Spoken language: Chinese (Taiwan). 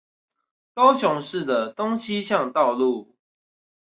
高雄市的東西向道路